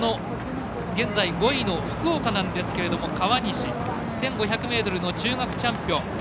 現在５位の福岡なんですけど川西、１５００ｍの中学チャンピオン。